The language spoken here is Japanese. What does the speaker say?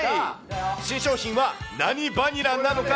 新商品は何バニラなのか。